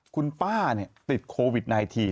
คุณป้าติดโควิด๑๙